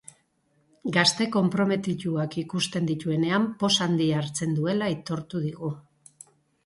Gazte konprometituak ikusten dituenean poz handia hartzen duela aitortu digu.